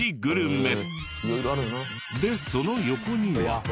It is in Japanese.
でその横には。